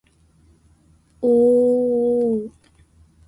おおおおお